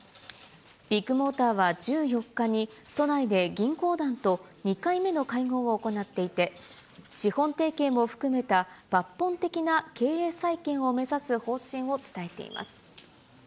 ビッグモーターは１４日に、都内で銀行団と２回目の会合を行っていて、資本提携も含めた抜本的な経営再建を目指す方針を伝えています。